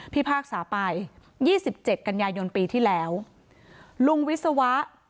พากษาไปยี่สิบเจ็ดกันยายนปีที่แล้วลุงวิศวะ